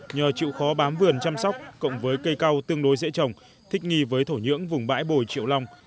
nhờ chịu khó bám vườn chăm sóc cộng với cây cao tương đối dễ trồng thích nghi với thổ nhưỡng vùng bãi bồi triệu long